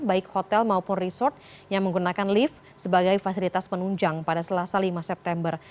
baik hotel maupun resort yang menggunakan lift sebagai fasilitas penunjang pada selasa lima september